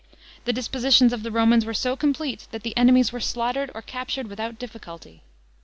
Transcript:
The dispositions of the Romans were so complete that the enemies were slaughtered or captured without difficulty.